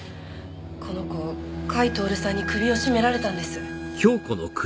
この子甲斐享さんに首を絞められたんです。